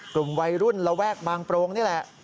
กลุ่มวัยรุ่นระแวกบางโปรงนี่แหละ